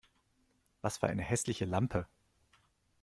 Was für eine hässliche Lampe!